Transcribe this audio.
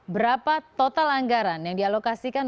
berapa total anggaran yang dialokasikan